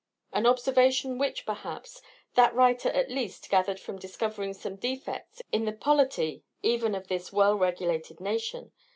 An observation which, perhaps, that writer at least gathered from discovering some defects in the polity even of this well regulated nation.